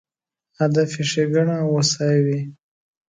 هدف یې ښېګڼه او هوسایي وي.